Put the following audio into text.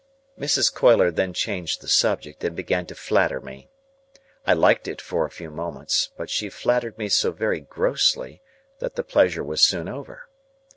Mrs. Coiler then changed the subject and began to flatter me. I liked it for a few moments, but she flattered me so very grossly that the pleasure was soon over.